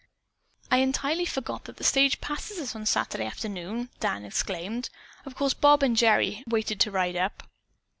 "I entirely forgot that the stage passes us on Saturday afternoon," Dan exclaimed. "Of course, Bob and Gerry waited to ride up."